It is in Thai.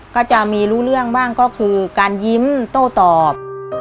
ก็จะมีรู้เรื่องบ้างก็คือการยิ้มโต้ตอบ